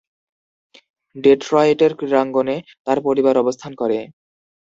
ডেট্রয়েটের ক্রীড়াঙ্গনে তাঁর পরিবার অবস্থান করে।